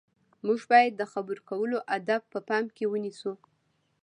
موږ باید د خبرو کولو اداب په پام کې ونیسو.